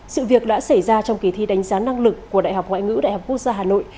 sự việc đã xảy ra trong kỳ thi đánh giá năng lực của đại học ngoại ngữ đại học quốc gia hà nội